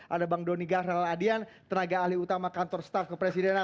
ada bang doni gahral adian tenaga ahli utama kantor staf kepresidenan